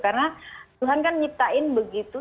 karena tuhan kan nyiptain begitu